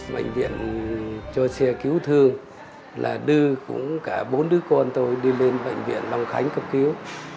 bệnh viện cho xe cứu thương là đưa cũng cả bốn đứa con tôi đi lên bệnh viện long khánh cấp cứu